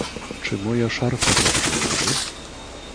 "Czy moja szarfa dobrze leży?"